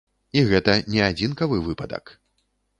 І гэта не адзінкавы выпадак.